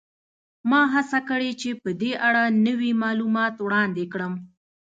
ما هڅه کړې چې په دې اړه نوي معلومات وړاندې کړم